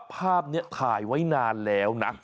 ภาพนี้ถ่ายไว้นานแล้วนะ